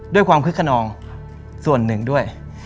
ด้วยความคึกขนองส่วนหนึ่งด้วย